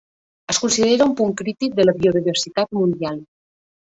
Es considera un punt crític de la biodiversitat mundial.